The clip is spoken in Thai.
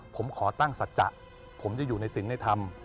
ผมขอตั้งสัจจะผมจะอยู่ในศิลป์ในธรรม